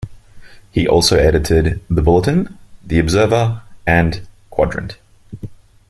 He also edited "The Bulletin", "The Observer" and "Quadrant".